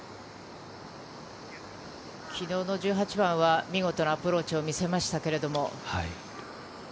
昨日の１８番は見事なアプローチを見せましたけども。